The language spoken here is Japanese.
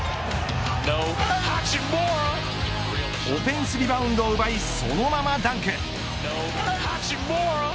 オフェンスリバウンドを奪いそのままダンク。